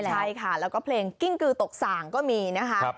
ใช่ค่ะแล้วก็เพลงกิ้งกือตกส่างก็มีนะคะ